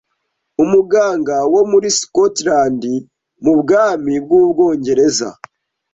umuganga wo muri Scotland mu bwami bw'Ubwongereza,